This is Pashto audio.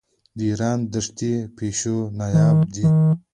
د ایران دښتي پیشو نایابه ده.